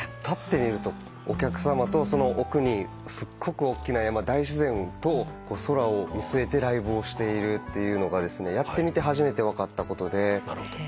立ってみるとお客さまとその奥にすごく大きな山大自然と空を見据えてライブをしているっていうのがやってみて初めて分かったことで。